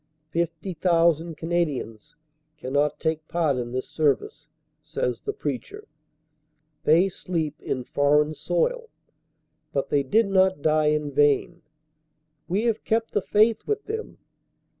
Fifty thousand Canadians cannot take part in this service, says the preacher. They sleep in foreign soil, but they did not die in vain. We have kept the faith with them.